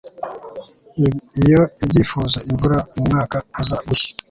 iyo ibyifuzo imvura mumwaka uza gushya